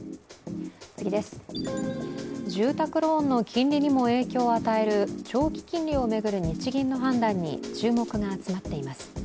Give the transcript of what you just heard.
住宅ローンの金利にも影響を与える長期金利を巡る日銀の判断に注目が集まっています。